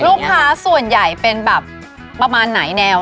ลูกค้าส่วนใหญ่เป็นแบบประมาณไหนแนว